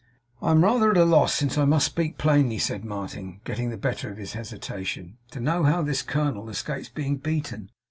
'I am rather at a loss, since I must speak plainly,' said Martin, getting the better of his hesitation, 'to know how this colonel escapes being beaten.